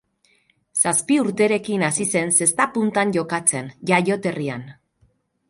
Zazpi urterekin hasi zen zesta puntan jokatzen, jaioterrian.